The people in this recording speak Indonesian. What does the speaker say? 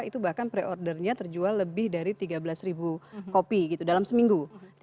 itu bahkan pre ordernya terjual lebih dari tiga belas ribu kopi gitu dalam seminggu